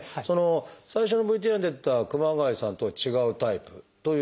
最初のＶＴＲに出てた熊谷さんとは違うタイプということですか？